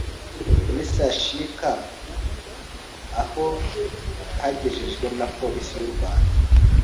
muri CHUK aho yahagejejwe na polisi y’u Rwanda